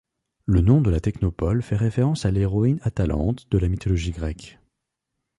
Le nom de la technopole fait référence à l'héroïne Atalante, de la mythologie grecque.